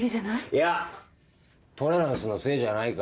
いやトレランスのせいじゃないか。